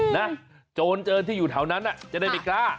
นะโจรเจิญที่อยู่เท่านั้นจะได้ไม่กล้า